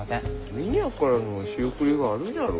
峰屋からの仕送りがあるじゃろう？